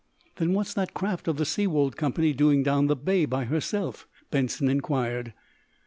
"Then what's that craft of the Seawold Company doing down the bay by herself?" Benson inquired.